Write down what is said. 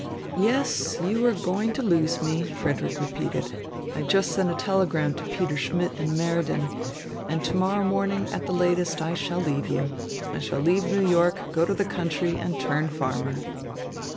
"Yes, you are going to lose me," Frederick repeated. "I just sent a telegram to Peter Schmidt in Meriden, and to morrow morning at the latest I shall leave you. I shall leave New York, go to the country, and turn farmer."